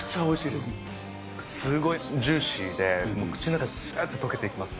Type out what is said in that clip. すごい、ジューシーで、口の中ですーっと溶けていきますね。